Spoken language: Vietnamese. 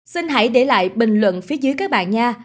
xin hãy để lại bình luận phía dưới các bạn nha